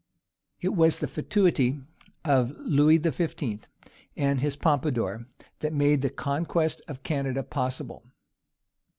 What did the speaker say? It was the fatuity of Louis XV. and his Pompadour that made the conquest of Canada possible.